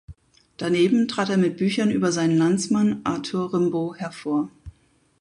Daneben trat er mit Büchern über seinen Landsmann Arthur Rimbaud hervor.